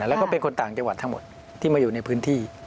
แล้วก็เป็นคนต่างจังหวัดทั้งหมดที่มาอยู่ในพื้นที่